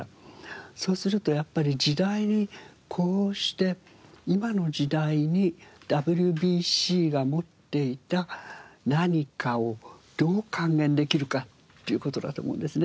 そうするとやっぱり時代に呼応して今の時代にＷＢＣが持っていた何かをどう還元できるかっていう事だと思うんですね。